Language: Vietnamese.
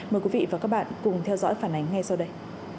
mời quý vị và các bạn cùng theo dõi phản ánh ngay sau đây